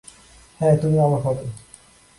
হ্যাঁ, তুমি অবাক হবে।